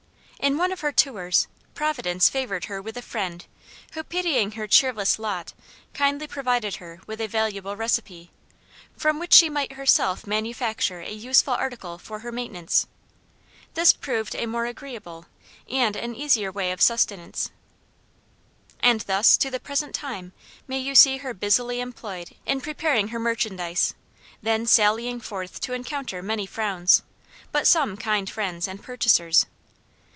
In one of her tours, Providence favored her with a friend who, pitying her cheerless lot, kindly provided her with a valuable recipe, from which she might herself manufacture a useful article for her maintenance. This proved a more agreeable, and an easier way of sustenance. And thus, to the present time, may you see her busily employed in preparing her merchandise; then sallying forth to encounter many frowns, but some kind friends and purchasers.